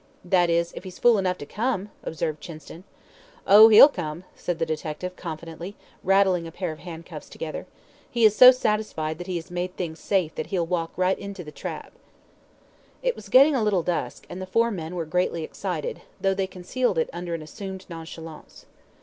"That is, if he's fool enough to come," observed Chinston. "Oh, he'll come," said the detective, confidently, rattling a pair of handcuffs together. "He is so satisfied that he has made things safe that he'll walk right into the trap." It was getting a little dusk, and the four men were greatly excited, though they concealed it under an assumed nonchalance.